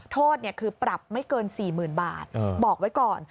โทษคือปรับไม่เกิน๔๐๐๐บาทบอกไว้ก่อน